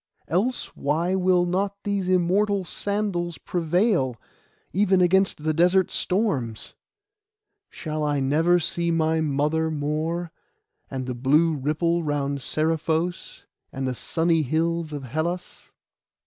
Else why will not these immortal sandals prevail, even against the desert storms? Shall I never see my mother more, and the blue ripple round Seriphos, and the sunny hills of Hellas?